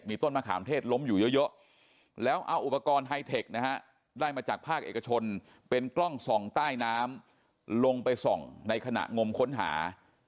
ต้นมะขามเทศล้มอยู่เยอะแล้วเอาอุปกรณ์ไฮเทคนะฮะได้มาจากภาคเอกชนเป็นกล้องส่องใต้น้ำลงไปส่องในขณะงมค้นหา